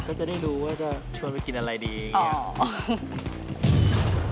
ก็จะได้รู้ว่าจะชวนไปกินอะไรดีอย่างนี้